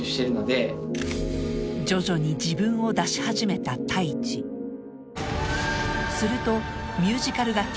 徐々に自分を出し始めたＴＡＩＣＨＩするとミュージカル楽曲